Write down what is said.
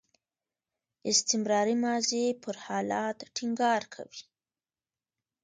استمراري ماضي پر حالت ټینګار کوي.